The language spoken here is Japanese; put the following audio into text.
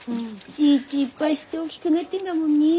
ちーちーいっぱいして大きくなってんだもんねえ。